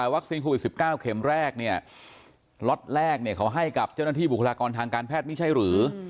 โควิด๑๙เข็มแรกเนี่ยล็อตแรกเขาให้กับเจ้าหน้าที่บุคลากรทางการแพทย์ไม่ใช่หรือ